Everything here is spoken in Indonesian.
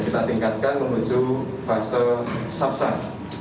kita tingkatkan menuju fase safsan